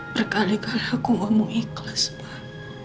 berkali kali aku gak mau ikhlas pak